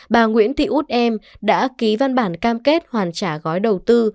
bà nguyễn thị út em đã ký văn bản cam kết hoàn trả gói đầu tư